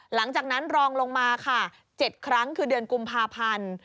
หลังจากนั้นรองลงมาค่ะ๗ครั้งคือเดือนกุมภาพันธ์